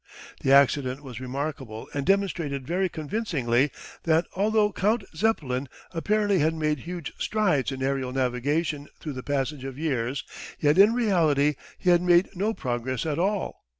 The accident was remarkable and demonstrated very convincingly that although Count Zeppelin apparently had made huge strides in aerial navigation through the passage of years, yet in reality he had made no progress at all.